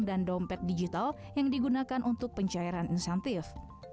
dan dompet digital yang digunakan untuk pencairan insentif